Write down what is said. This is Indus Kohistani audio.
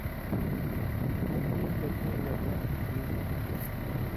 کسیں کسیں لہ بہز کیریۡ تُھو